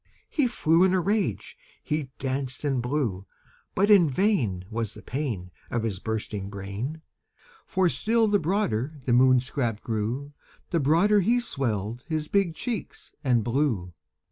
He flew in a rage he danced and blew; But in vain Was the pain Of his bursting brain; For still the broader the Moon scrap grew, The broader he swelled his big cheeks and blew.